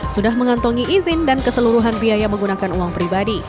sudah mengantongi izin dan keseluruhan biaya menggunakan uang pribadi